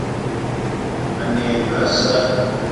Ane e ma a sa'a